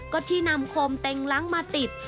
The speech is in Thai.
ก็ที่นำโคมเต็งล้างมาติด